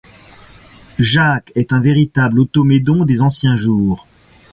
Jacques est un véritable Automédon des anciens jours.